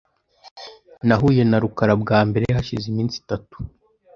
Nahuye na rukara bwa mbere hashize iminsi itatu .